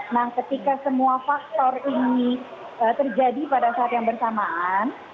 nah ketika semua faktor ini terjadi pada saat yang bersamaan